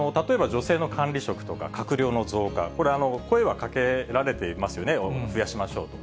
例えば、女性の管理職とか、閣僚の増加、これ、声はかけられていますよね、増やしましょうと。